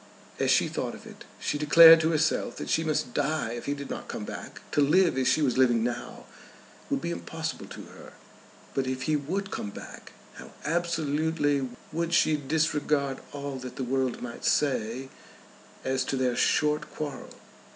As she thought of it, she declared to herself that she must die if he did not come back. To live as she was living now would be impossible to her. But if he would come back, how absolutely would she disregard all that the world might say as to their short quarrel.